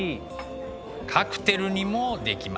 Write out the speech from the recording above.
カクテルにもできますね。